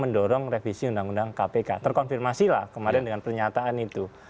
mendorong revisi undang undang kpk terkonfirmasilah kemarin dengan pernyataan itu